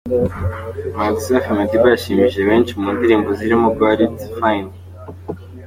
Umuhanzi Safi Madiba yashimishije benshi mu ndirimbo zirimo Got it , Fine.